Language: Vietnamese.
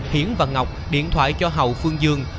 hiển và ngọc điện thoại cho hậu phương dương